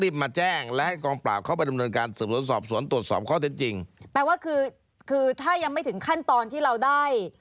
แปลว่าคือคือถ้ายังไม่ถึงขั้นตอนที่เราได้